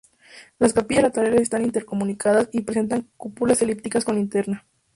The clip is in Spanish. Las capillas laterales están intercomunicadas, y presentan cúpulas elípticas con linterna.